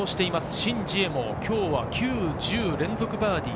シン・ジエも今日は９、１０で連続バーディー。